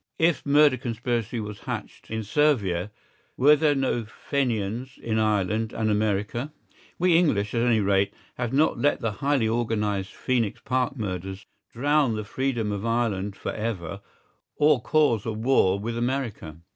If murder conspiracy was hatched in Servia, were there no Fenians in Ireland and America? We English, at any rate, have not let the highly organised Phœnix Park murders drown the freedom of Ireland for ever, or cause a war with America.